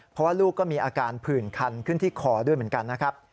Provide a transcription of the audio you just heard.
เพราะว่าลูกก็มีอาการผื่นคันขึ้นที่คอด้วยเหมือนกันนะครับ